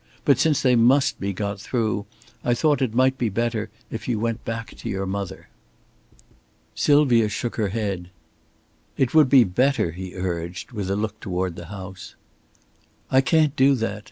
But since they must be got through, I thought it might be better if you went back to your mother." Sylvia shook her head. "It would be better," he urged, with a look toward the house. "I can't do that.